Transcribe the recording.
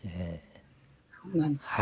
そうなんですか。